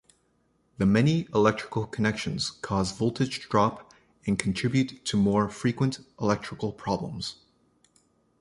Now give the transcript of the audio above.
The many electrical connections cause voltage drop and contribute to more frequent electrical problems.